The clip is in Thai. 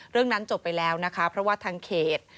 เรื่องนั้นจบไปแล้วนะคะเพราะว่าทางเขต